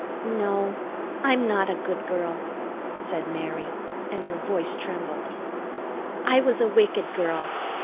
"No, I'm not a good girl," said Mary, and her voice trembled. "I was a wicked girl.